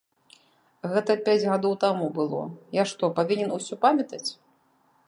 Гэта пяць гадоў таму было, я што, павінен усё памятаць?